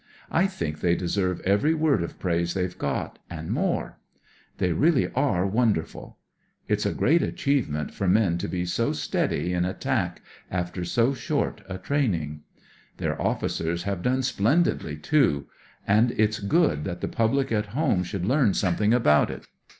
I think they deserve every word of praise they've got, and more. They really are wonderful. It's a great H 102 " WE DONT COUNT WOUNDS 19 I I ,!) achievement for men to be so steady in attack, after so short a training. Their officers have done splendidly, too, and it's good that the public at home should learn something about it.